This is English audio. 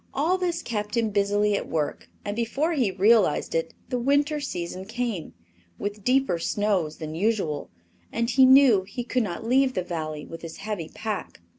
All this kept him busily at work, and before he realized it the winter season came, with deeper snows than usual, and he knew he could not leave the Valley with his heavy pack.